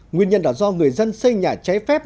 nguyên nhân là do người dân xây nhà cháy phép